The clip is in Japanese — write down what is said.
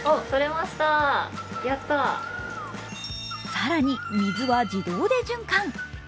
更に水は自動で循環。